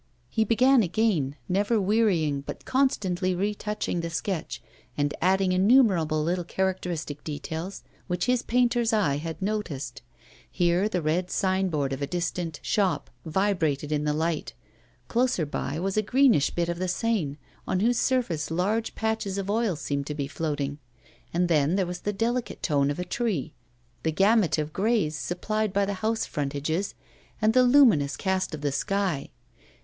He began again, never wearying, but constantly retouching the sketch, and adding innumerable little characteristic details which his painter's eye had noticed; here the red signboard of a distant shop vibrated in the light; closer by was a greenish bit of the Seine, on whose surface large patches of oil seemed to be floating; and then there was the delicate tone of a tree, the gamut of greys supplied by the house frontages, and the luminous cast of the sky.